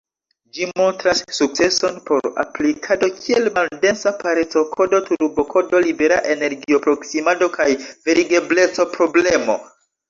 Ĝi montras sukceson por aplikado kiel maldensa pareco-kodo, turbo-kodo, libera energio-proksimado, kaj verigebleco-problemo.